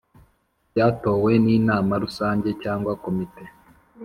Byatowe n inama rusange cyangwa komite